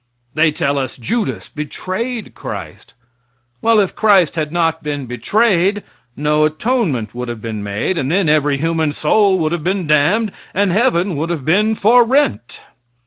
They tell us Judas betrayed Christ. Well, if Christ had not been betrayed, no atonement would have been made, and then every human soul would have been damned, and heaven would have been for rent.